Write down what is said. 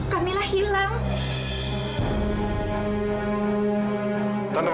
kamila gak ada di rumah